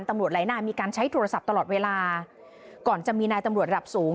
หลายนายมีการใช้โทรศัพท์ตลอดเวลาก่อนจะมีนายตำรวจระดับสูง